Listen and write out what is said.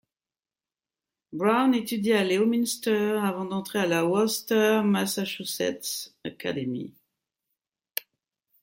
Brown étudie à Leominster avant d’entrer à la Worcester Massachusetts Academy.